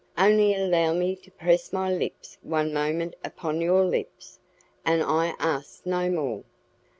Only allow me to press my lips one moment upon your lips, and I ask no more."